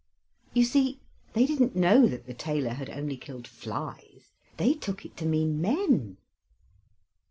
You see, they didn't know that the tailor had only killed flies; they took it to mean men.